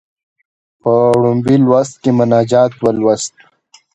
په لومړي لوست کې مناجات ولوست.